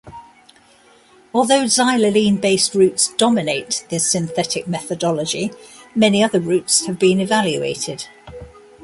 Although xylylene-based routes dominate the synthetic methodology, many other routes have been evaluated.